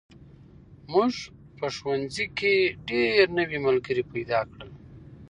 موږ په ښوونځي کې ډېر نوي ملګري پیدا کړل.